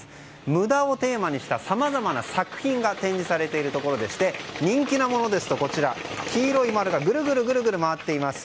無駄をテーマにしたさまざまな作品が展示されているところでして人気のものですと黄色い丸がぐるぐる回っています。